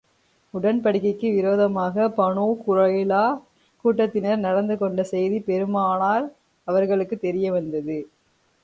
உடன்படிக்கைக்கு விரோதமாக Banu Qurayza கூட்டத்தினர் நடந்து கொண்ட செய்தி பெருமானார் அவர்களுக்குத் தெரிய வந்தது.